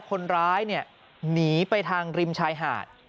คนร้ายเนี่ยหนีไปทางริมชายหาด